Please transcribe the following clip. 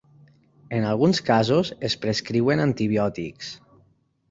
En alguns casos, es prescriuen antibiòtics.